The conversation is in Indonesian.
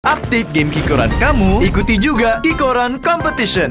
update game kikoran kamu ikuti juga kikoran competition